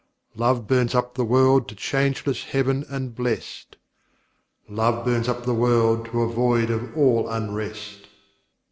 Love burns up the world to changeless heaven and blest, "Love burns up the world to a void of all unrest."